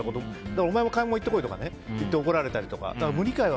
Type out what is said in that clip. お前も買い物行ってこいとか言って、怒られたり。